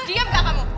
diam gak kamu